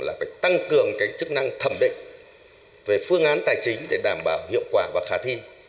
là phải tăng cường cái chức năng thẩm định về phương án tài chính để đảm bảo hiệu quả và khả thi